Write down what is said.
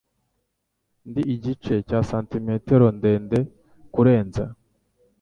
Ndi igice cya santimetero ndende kurenza .